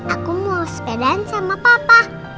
aku mau sepedaan sama papa